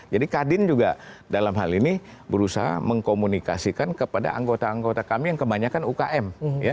jadi kadin juga dalam hal ini berusaha mengkomunikasikan kepada anggota anggota kami yang kebanyakan ukm